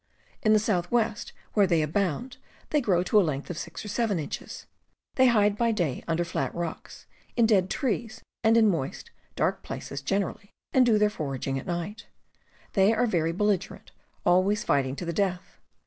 In the southwest, where they abound, they grow to a length of 6 or 7 inches. They hide by day under flat rocks, in dead trees, and in moist, dark places generally, and do their foraging at night. They are very belligerent, always fighting to the death.